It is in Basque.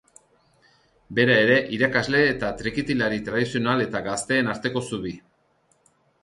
Bera ere irakasle eta trikitilari tradizional eta gazteen arteko zubi.